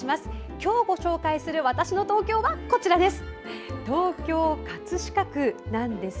今日ご紹介する「＃わたしの東京」はこちらです。